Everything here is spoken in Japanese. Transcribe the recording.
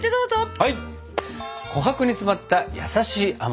はい！